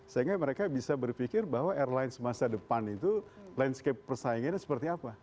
sehingga mereka bisa berpikir bahwa airlines masa depan itu landscape persaingannya seperti apa